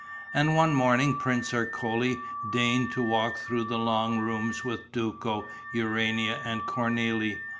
And one morning Prince Ercole deigned to walk through the long rooms with Duco, Urania and Cornélie.